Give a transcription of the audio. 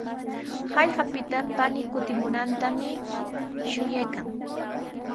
Hallqapita panii kutimunantami shuyaykaa.